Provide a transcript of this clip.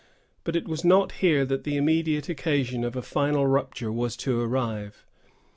But it was not here that the immediate occasion of a final rupture was to arise.